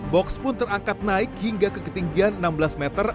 box pun terangkat naik hingga ke ketinggian enam belas meter